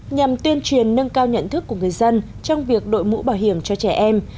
nhằm tuyên truyền nâng cao nhận thức của người dân trong việc đội mũ bảo hiểm cho trẻ em